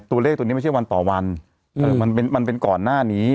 ตัวเลขตัวนี้ไม่ใช่วันต่อวันมันเป็นก่อนหน้านี้